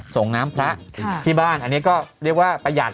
ส่งน้ำพระที่บ้านอันนี้ก็เรียกว่าประหยัด